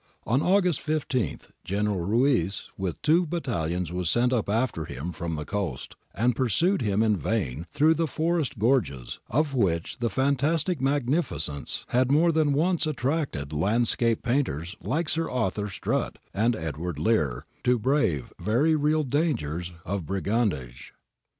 On August 15 General Ruiz with two battalions was sent up after him from the coast, and pursued him in vain through the forest gorges, of which the fantastic magnificence had more than once at tracted landscape painters like Arthur Strutt and Edward Lear to brave very real dangers of brigandage.